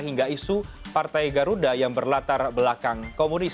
hingga isu partai garuda yang berlatar belakang komunis